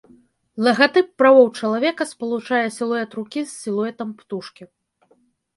Лагатып правоў чалавека спалучае сілуэт рукі з сілуэтам птушкі.